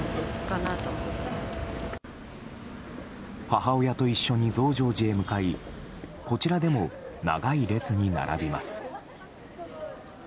母親と一緒に増上寺へ向かいこちらでも長い列に並びます。